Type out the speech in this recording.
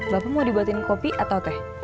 bapak mau dibuatin kopi atau teh